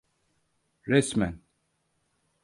Resmen.